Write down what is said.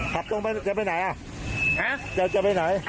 ขับตรงนั้นจะไปไหนจะไปไหน